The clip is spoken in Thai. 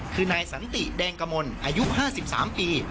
คือนายสันติแดงกมลอายุห้าสิบสามปี